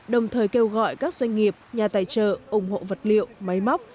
đồng thời kêu gọi các doanh nghiệp nhà tài trợ ủng hộ vật liệu máy móc